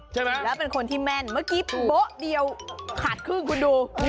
ใช่ไหมแล้วเป็นคนที่แม่นเมื่อกี้โบ๊ะเดียวขาดครึ่งคุณดู